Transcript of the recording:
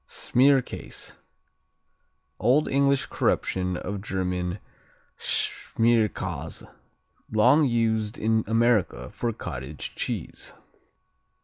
Smearcase Old English corruption of German Schmierkäse, long used in America for cottage cheese.